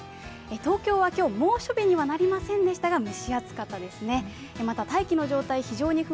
東京は今日猛暑日にはなりませんでしたが、蒸し暑かったですね。